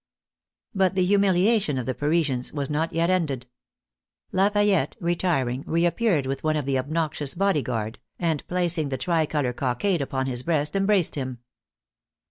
But the humiliation of the Parisians was not yet ended. Lafayette retiring, reappeared with one of the obnoxious body guard, and placing the tricolor cockade upon his breast embraced him.